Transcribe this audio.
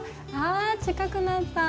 あ近くなった。